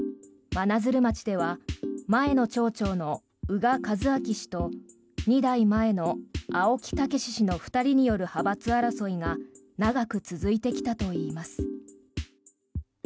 真鶴町では前の町長の宇賀一章氏と２代前の青木健氏の２人による派閥争いが長く続いてきたといいます。